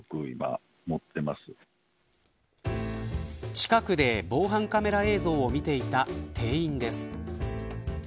近くで防犯カメラ映像を見ていた店員です。